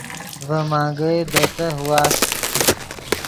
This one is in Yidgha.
ڤے منگئے دے تہہ واست